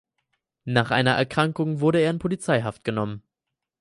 Nach einer Erkrankung wurde er in Polizeihaft genommen.